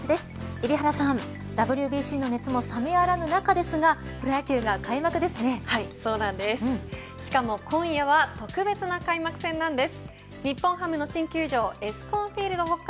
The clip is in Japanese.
海老原さん、ＷＢＣの熱も冷めやらぬ中ですがしかも今夜は特別な開幕戦なんです。